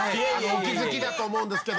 お気づきだと思うんですけど。